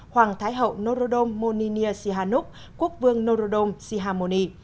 hoàng thái hậu norodom moninia sihanuk quốc vương norodom sihamoni